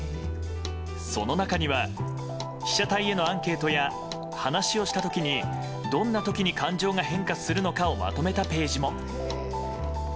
その中には被写体へのアンケートや話をした時に、どんな時に感情が変化するのかをまとめたページも。